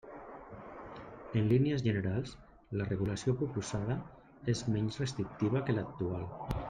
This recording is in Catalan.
En línies generals la regulació proposada és menys restrictiva que l'actual.